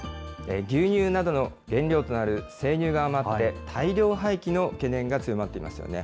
牛乳などの原料となる生乳が余って、大量廃棄の懸念が強まっていますよね。